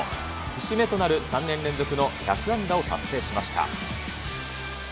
節目となる３年連続の１００安打を達成しました。